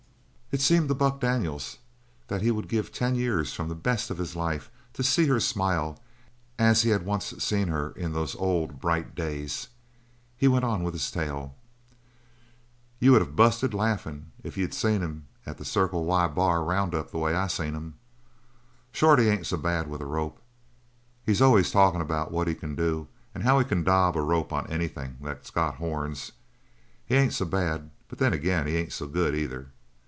It seemed to Buck Daniels that he would give ten years from the best of his life to see her smile as he had once seen her in those old, bright days. He went on with his tale. "You would have busted laughin' if you'd seen him at the Circle Y Bar roundup the way I seen him. Shorty ain't so bad with a rope. He's always talkin' about what he can do and how he can daub a rope on anything that's got horns. He ain't so bad, but then he ain't so good, either.